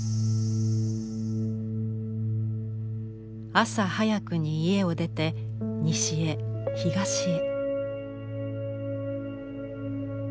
朝早くに家を出て西へ東へ。